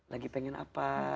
lagi pengen apa